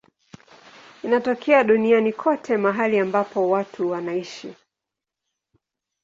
Inatokea duniani kote mahali ambapo watu wanaishi.